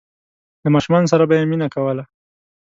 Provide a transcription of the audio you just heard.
له ماشومانو سره به یې مینه کوله.